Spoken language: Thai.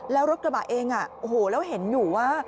แล้วรถกระบะเองโอ้โหแล้วเห็นอยู่ว่า